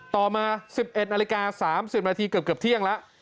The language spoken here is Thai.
ต่อมา๑๑นาฬิกา๓๐นาทีเกือบเที่ยงแล้ว